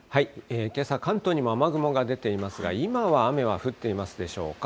けさ、関東にも雨雲が出ていますが、今は雨は降っていますでしょうか。